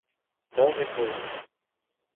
Bom Repouso